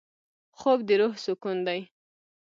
خوب د روح سکون دی